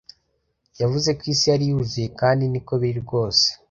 Yavuze ko isi yari yuzuye kandi niko biri rwose